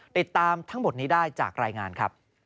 ติดตามทั้งหมดนี้ได้จากรายงานครับ